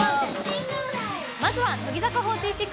まずは、乃木坂４６。